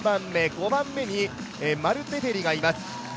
５番目にマル・テフェリがいます。